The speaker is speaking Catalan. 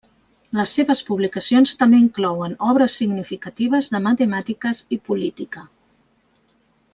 Les seves publicacions també inclouen obres significatives de matemàtiques i política.